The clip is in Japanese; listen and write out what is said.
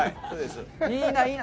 いいな、いいな。